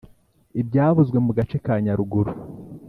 ibyavuzwe mu gace ka nyaruguru